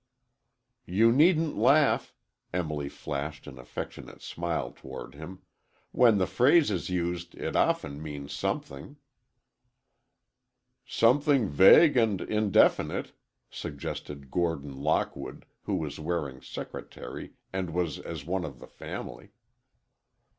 "You needn't laugh," Emily flashed an affectionate smile toward him, "when the phrase is used it often means something." "Something vague and indefinite," suggested Gordon Lockwood, who was Waring's secretary, and was as one of the family.